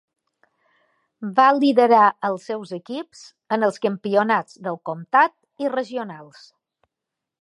Va liderar als seus equips en els campionats del comtat i regionals.